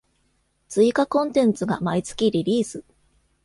追加コンテンツが毎月リリース